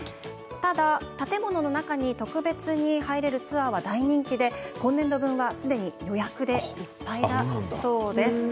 ただ建物の中に特別に入れるツアーは大人気で今年度分はすでに予約でいっぱいだそうです。